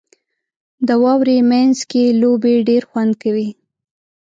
• د واورې مینځ کې لوبې ډېرې خوند کوي.